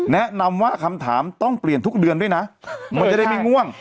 แนะนำว่าคำถามต้องเปลี่ยนทุกเดือนด้วยนะมันจะได้ไม่ง่วง